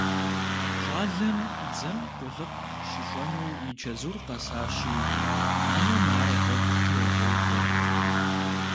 ЩӀалэм дзэм къулыкъу щищӀэну и чэзур къэсащи, анэм ар гъуэгу трегъэувэ.